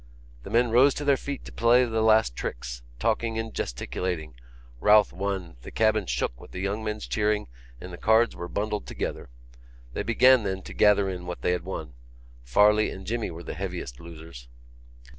The men rose to their feet to play the last tricks, talking and gesticulating. Routh won. The cabin shook with the young men's cheering and the cards were bundled together. They began then to gather in what they had won. Farley and Jimmy were the heaviest losers.